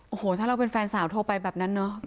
โอ้โหถ้าเราเป็นแฟนสาวโทรไปแบบนั้นเนาะ